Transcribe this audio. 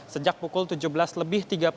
sejak pukul tujuh belas lebih tiga puluh